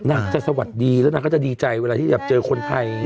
นางจะสวัสดีแล้วนางก็จะดีใจเวลาที่แบบเจอคนไทย